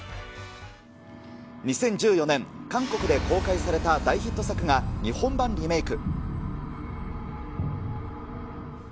２０１４年、韓国で公開された大ヒット作が、日本版リメーク。